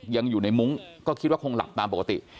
ยังอยู่ในมุ้งก็คิดว่าคงหลับตามปกติ